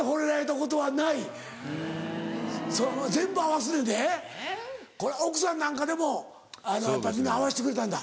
これ奥さんなんかでもみんな合わせてくれたんだ？